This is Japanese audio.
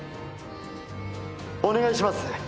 お願いします。